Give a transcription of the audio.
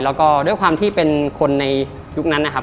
แล้วก็ด้วยความที่เป็นคนในยุคนั้นนะครับ